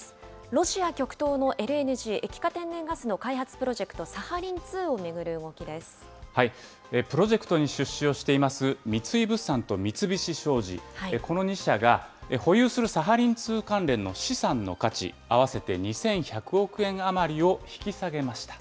ロシア極東のＬＮＧ・液化天然ガスの開発プロジェクト、サハリンプロジェクトに出資をしています三井物産と三菱商事、この２社が保有するサハリン２関連の資産の価値、合わせて２１００億円余りを引き下げました。